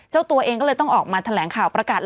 เจ้าตัวเองก็เลยต้องออกมาแถลงข่าวประกาศ